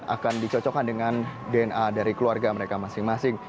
akan dicocokkan dengan dna dari keluarga mereka masing masing